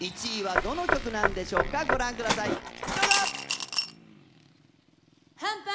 １位はどの曲なんでしょうかご覧ください